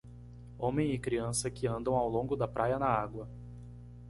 Homem e criança que andam ao longo da praia na água.